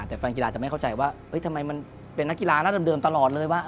แต่แฟนกีฬาจะไม่เข้าใจว่าทำไมมันเป็นนักกีฬาหน้าเดิมตลอดเลยว่า